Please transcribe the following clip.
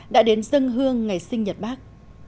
đã đến dân hương ngày sinh nhật bắc